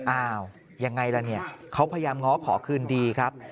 อ้าวยังไงล่ะเนี่ยเขาพยายามง้อขอคืนดีครับ